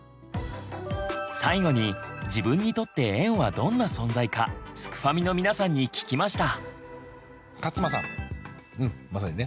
最後に自分にとって園はどんな存在かすくファミの皆さんに聞きました。